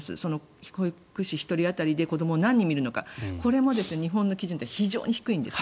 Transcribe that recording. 保育士１人当たりで子どもを何人見るのかこれは日本の基準は非常に低いんですね。